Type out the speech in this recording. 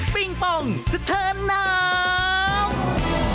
ปิงปองเสถิร์นน้ำ